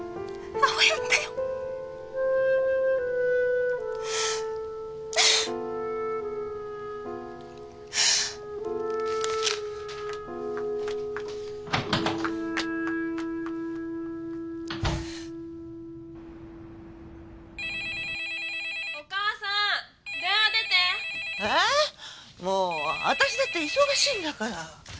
もう私だって忙しいんだから。